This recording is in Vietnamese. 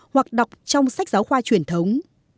hoặc đọc trong sách giáo khoa truyền thống